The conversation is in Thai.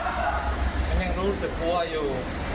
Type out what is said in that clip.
มันยังรู้สึกว่าอยู่